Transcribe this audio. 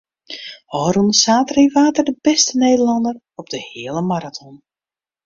Ofrûne saterdei waard er de bêste Nederlanner op de heale maraton.